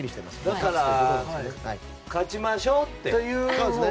だから勝ちましょうって。